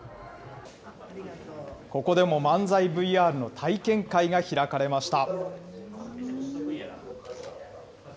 ここでも漫才ＶＲの体験会が開かれました。